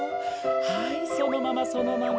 はいそのままそのまま。